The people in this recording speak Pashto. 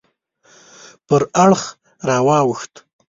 پر اړخ راواوښت.